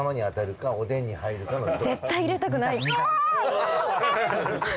絶対入れたくないああっ！！